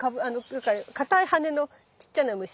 かたい羽のちっちゃな虫。